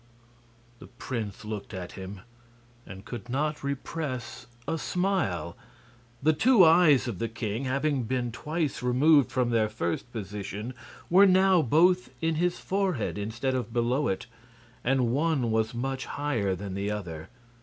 The prince looked at him, and could not repress a smile. The two eyes of the king, having been twice removed from their first position, were now both in his forehead, instead of below it, and one was much higher than the other.